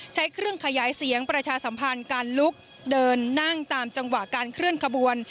ใช้เครื่องขยายเสียงประชาสัมพันธ์การลุกเดินนั่งตามจังหวะการเคลื่อนขบวน